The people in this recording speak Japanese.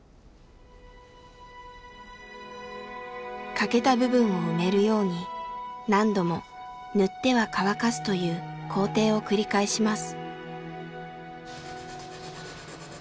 欠けた部分を埋めるように何度も塗っては乾かすという工程を繰り返します。